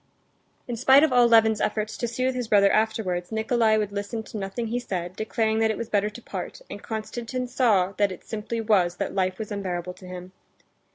In spite of all Levin's efforts to soothe his brother afterwards, Nikolay would listen to nothing he said, declaring that it was better to part, and Konstantin saw that it simply was that life was unbearable to him.